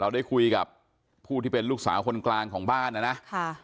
ได้คุยกับผู้ที่เป็นลูกสาวคนกลางของบ้านนะนะค่ะ